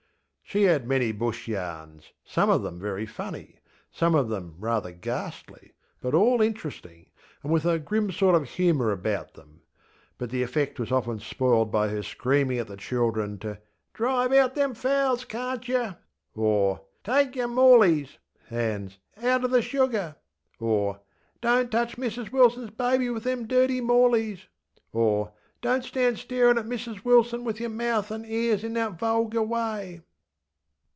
ŌĆÖ She had many Bush yarns, some of them very funny, some of them rather ghastly, but all interesting, and with a grim sort of humour about them. But the effect was often spoilt by her screaming at the children to ŌĆśDrive out them fowls, karnt yer, ŌĆÖ or ŌĆśTake yer maulies [hands] outer the sugar, ŌĆÖ or ŌĆśDonŌĆÖt touch Mrs WilsonŌĆÖs baby with them dirty maulies, ŌĆÖ or ŌĆśDonŌĆÖt stand starinŌĆÖ at Mrs Wilson with yer mouth anŌĆÖ ears in that vulgar way.